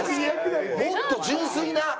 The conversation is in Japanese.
もっと純粋な！